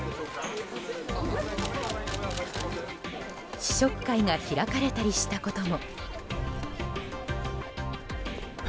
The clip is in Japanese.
試食会が開かれたりしたことも。